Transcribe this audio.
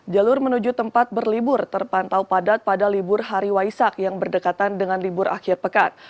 jalur menuju tempat berlibur terpantau padat pada libur hari waisak yang berdekatan dengan libur akhir pekan